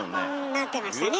なってましたね